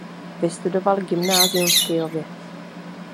Vystudoval gymnázium v Kyjově.